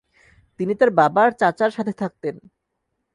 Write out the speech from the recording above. তিনি তার বাবার চাচার সাথে থাকতেন।